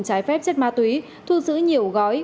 trái phép chất ma túy thu giữ nhiều gói